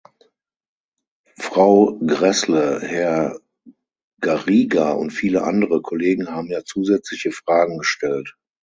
Frau Gräßle, Herr Garriga und viele andere Kollegen haben ja zusätzliche Fragen gestellt.